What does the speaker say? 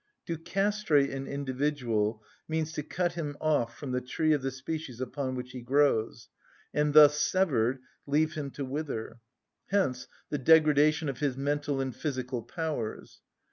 To castrate an individual means to cut him off from the tree of the species upon which he grows, and thus severed, leave him to wither: hence the degradation of his mental and physical powers.